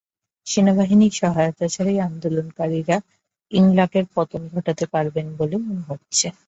সেনাবাহিনীর সহায়তা ছাড়াই আন্দোলনকারীরা ইংলাকের পতন ঘটাতে পারবেন বলে মনে হচ্ছে।